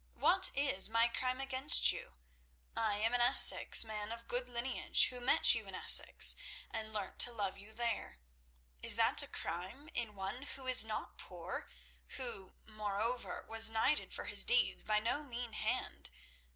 What is my crime against you? I am an Essex man of good lineage, who met you in Essex and learnt to love you there. Is that a crime, in one who is not poor, who, moreover, was knighted for his deeds by no mean hand?